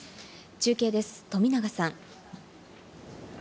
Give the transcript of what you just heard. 中継です、富永さん。